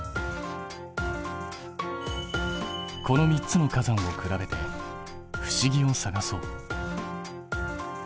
この３つの火山を比べて不思議を探そう。